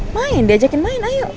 main diajakin main ayo